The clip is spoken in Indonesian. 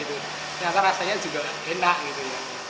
ternyata rasanya juga enak gitu